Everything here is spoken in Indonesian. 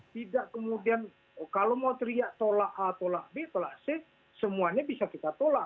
tidak kemudian kalau mau teriak tolak a tolak b tolak c semuanya bisa kita tolak